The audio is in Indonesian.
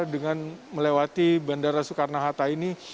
dengan melewati bandara soekarno hatta ini